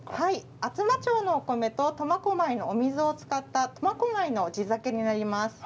厚真町のお米と苫小牧の水を使った苫小牧の地酒になります。